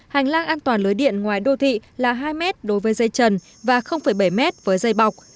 hành lang an toàn lưới điện ngoài đô thị là hai mét đối với dây trần và bảy m với dây bọc